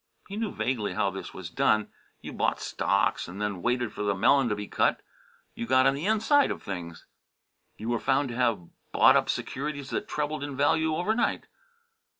He knew vaguely how this was done: you bought stocks and then waited for the melon to be cut. You got on the inside of things. You were found to have bought up securities that trebled in value over night.